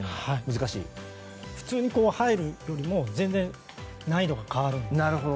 普通に入るよりも難易度が変わるんです。